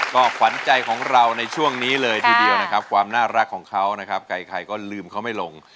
ก็ขวานใจของเราในช่วงนี้เลยน่ารักของเขาใกล้ใครก็ลืมเขาไม่ลง